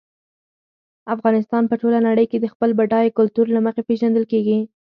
افغانستان په ټوله نړۍ کې د خپل بډایه کلتور له مخې پېژندل کېږي.